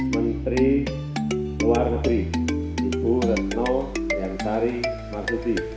menteri luar negeri ibu retno yantari marduti